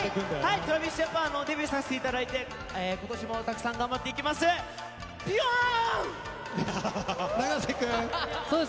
ＴｒａｖｉｓＪａｐａｎデビューさせていただいて今年もたくさん頑張っていきます。